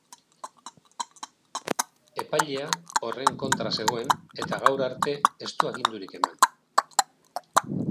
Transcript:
Epailea horren kontra zegoen eta, gaur arte, ez du agindurik eman.